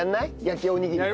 焼きおにぎり。